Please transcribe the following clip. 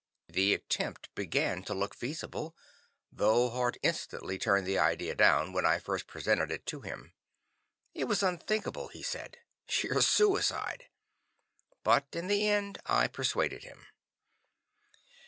The attempt began to look feasible, though Hart instantly turned the idea down when I first presented it to him. It was unthinkable, he said. Sheer suicide. But in the end I persuaded him.